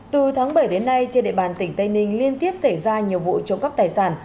từ tháng bảy đến nay trên địa bàn tỉnh tây ninh liên tiếp xảy ra nhiều vụ trộm cắp tài sản